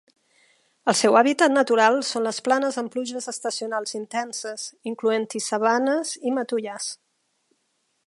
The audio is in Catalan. El seu hàbitat natural són les planes amb pluges estacionals intenses, incloent-hi sabanes i matollars.